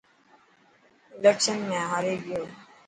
اليڪشن ۾ هاري گيو.